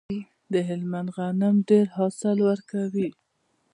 د هلمند غنم ډیر حاصل ورکوي.